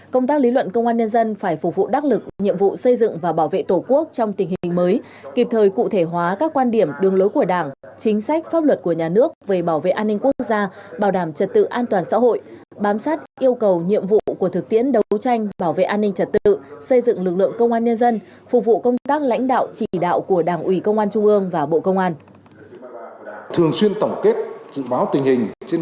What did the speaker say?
công tác lý luận công an nhân dân phải phục vụ đắc lực nhiệm vụ xây dựng và bảo vệ tổ quốc trong tình hình mới kịp thời cụ thể hóa các quan điểm đường lối của đảng chính sách pháp luật của nhà nước về bảo vệ an ninh quốc gia bảo đảm trật tự an toàn xã hội bám sát yêu cầu nhiệm vụ của thực tiễn đấu tranh bảo vệ an ninh trật tự xây dựng lực lượng công an nhân dân phục vụ công tác lãnh đạo chỉ đạo của đảng ủy công an trung ương và bộ công an